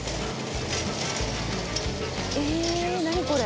え何これ？